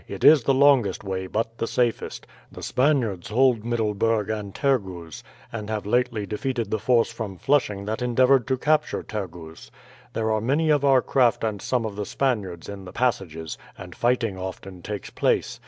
"It is the longest way, but the safest. The Spaniards hold Middleburg and Tergoes, and have lately defeated the force from Flushing that endeavoured to capture Tergoes. There are many of our craft and some of the Spaniards in the passages, and fighting often takes place.